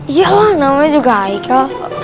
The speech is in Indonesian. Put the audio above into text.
iyalah namanya juga haiko